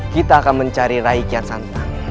kita akan mencari rai kiyasanta